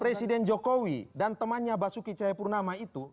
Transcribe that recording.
presiden jokowi dan temannya basuki cahayapurnama itu